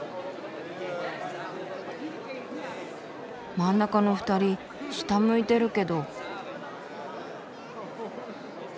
真ん中の２人下向いてるけど。